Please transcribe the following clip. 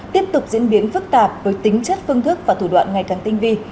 tiếp tục diễn biến phức tạp với tính chất phương thức và thủ đoạn ngày càng tinh vi